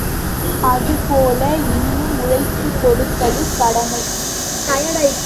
அதுபோல இன்னும் உழைத்துக் கொடுப்பது கடமை.